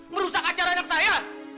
merusak acara anak saya